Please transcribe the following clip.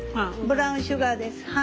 ブラウンシュガーです。